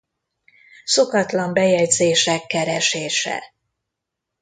Szokatlan bejegyzések keresése.